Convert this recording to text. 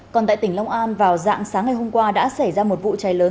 còn tại tỉnh long an vào dạng sáng ngày hôm qua đã xảy ra một vụ cháy lớn